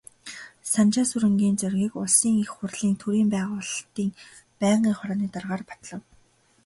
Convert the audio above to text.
Санжаасүрэнгийн Зоригийг Улсын Их Хурлын төрийн байгуулалтын байнгын хорооны даргаар батлав.